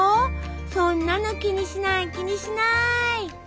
そんなの気にしない気にしない！